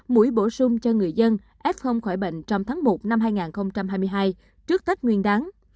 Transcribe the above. mũi bổ sung cho người dân f khỏi bệnh trong tháng một năm hai nghìn hai mươi hai trước tết nguyên đáng